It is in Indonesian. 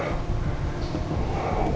gua harus mikirin sesuatu